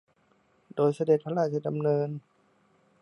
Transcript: โดยเสด็จพระราชดำเนิน